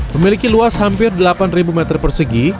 memiliki luas hampir delapan meter persegi